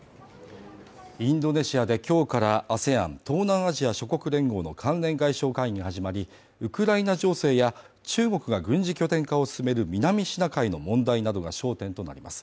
インドネシアで今日からＡＳＥＡＮ＝東南アジア諸国連合の関連外相会議が始まりウクライナ情勢や中国が軍事拠点化を進める南シナ海の問題などが焦点となります。